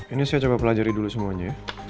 ini saya coba pelajari dulu semuanya